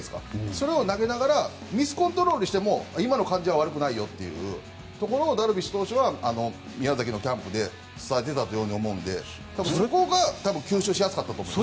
それを投げながらミスコントロールしても今の感じで悪くないとダルビッシュ投手は、宮崎のキャンプで伝えていたと思うのでそこが吸収しやすかったと思います。